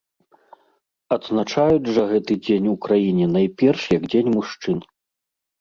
Адзначаюць жа гэты дзень у краіне найперш як дзень мужчын.